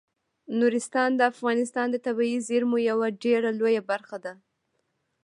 نورستان د افغانستان د طبیعي زیرمو یوه ډیره لویه برخه ده.